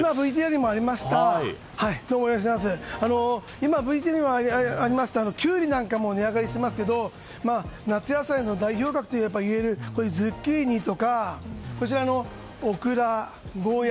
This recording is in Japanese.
今、ＶＴＲにありましたキュウリなんかも値上がりしますけど夏野菜の代表格といえばズッキーニとかオクラ、ゴーヤ。